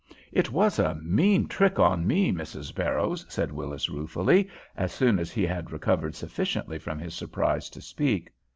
"It was a mean trick on me, Mrs. Barrows," said Willis, ruefully, as soon as he had recovered sufficiently from his surprise to speak.